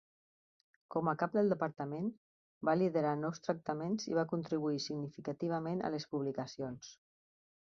Com a cap del departament, va liderar nous tractaments i va contribuir significativament a les publicacions.